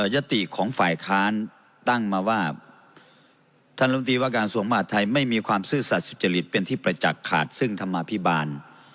ยติของฝ่ายค้านตั้งมาว่าท่านลมตรีว่าการกระทรวงมหาดไทยไม่มีความซื่อสัตว์สุจริตเป็นที่ประจักษ์ขาดซึ่งธรรมาภิบาล